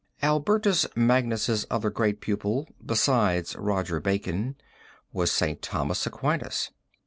Albertus Magnus' other great pupil besides Roger Bacon was St. Thomas Aquinas.